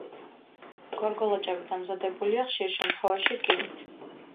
გორგოლაჭები დამზადებულია ხშირ შემთხვევაში რკინით.